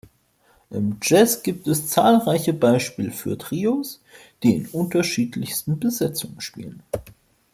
Im Jazz gibt es zahlreiche Beispiele für Trios, die in unterschiedlichsten Besetzungen spielen.